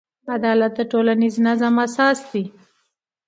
عدالت د ټولنیز نظم اساس دی.